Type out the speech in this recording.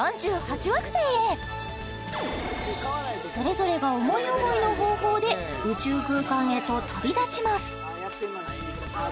惑星へそれぞれが思い思いの方法で宇宙空間へと旅立ちます